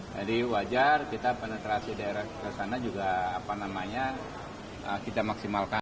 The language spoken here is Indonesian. jadi wajar kita penetrasi daerah kesana juga apa namanya kita maksimalkan